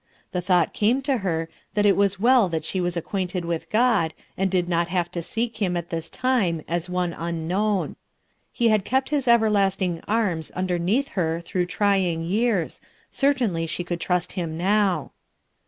The thought came to her that it was well that she was ac quainted with God and did not have to seek h5ns at this time as one unknown. lie had kept his everlasting arms underneath her through try* ing years, certainly she could trust him now.